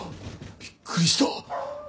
びっくりした。